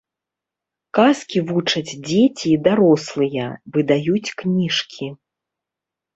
Казкі вучаць дзеці і дарослыя, выдаюць кніжкі.